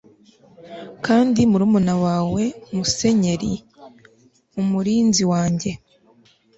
kandi murumuna wawe musenyeri, umurinzi wanjye